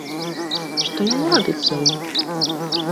Што яна робіць сёння?